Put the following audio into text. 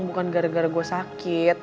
bukan gara gara gue sakit